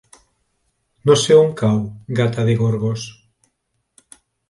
No sé on cau Gata de Gorgos.